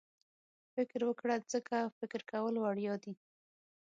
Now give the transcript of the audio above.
فکر وکړه ځکه فکر کول وړیا دي.